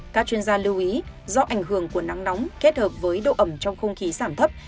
các chuyên gia lưu ý do ảnh hưởng của nắng nóng kết hợp với độ ẩm trong không khí giảm thấp